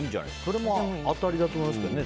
それも当たりだと思いますけどね。